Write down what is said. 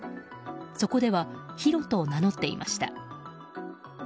そこではヒロと名乗っていました。